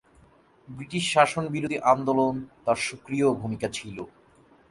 British শাসন বিরোধী আন্দোলনে তাঁর সক্রিয় ভূমিকা ছিল।